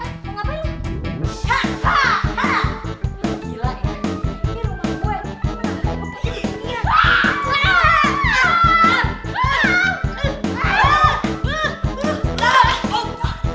eh eh mau ngapain